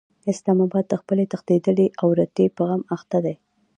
اسلام اباد د خپلې تښتېدلې عورتې په غم اخته دی.